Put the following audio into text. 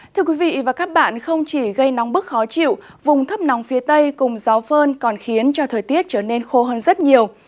thưa quý vị và các bạn không chỉ gây nóng bức khó chịu vùng thấp nóng phía tây cùng gió phơn còn khiến cho thời tiết trở nên khô hơn rất nhiều